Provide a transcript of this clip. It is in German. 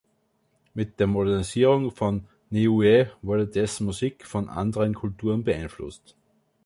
Mit der Modernisierung von Niue wurde dessen Musik von anderen Kulturen beeinflusst.